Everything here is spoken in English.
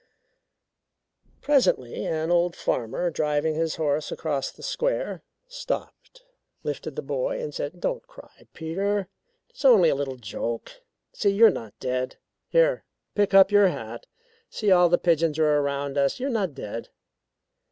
Presently an old farmer, driving his horse across the square, stopped, lifted the boy, and said: "Don't cry, Peter. It is only a little joke. See, you're not dead here, pick up your hat. See all the pigeons are around us you're not dead."